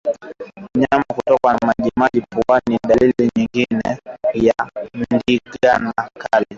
Mnyama kutokwa na majimaji puani ni dalili nyingine ya ndigana kali